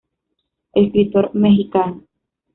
Escritor mexicano.